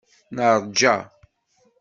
Neṛja.